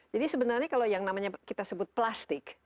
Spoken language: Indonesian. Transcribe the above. jadi sebenarnya kalau yang namanya kita sebut plastik